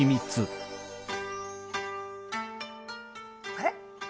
あれ？